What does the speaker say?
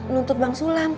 nuntut bank sulam